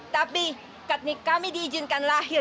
tapi kami diizinkan lahir